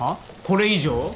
これ以上？